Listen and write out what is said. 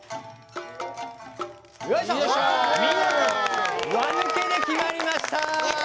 見事、輪抜けで決まりました！